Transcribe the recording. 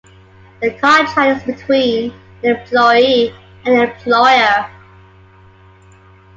The contract is between an "employee" and an "employer".